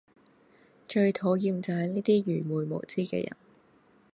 最討厭就係呢啲愚昧無知嘅人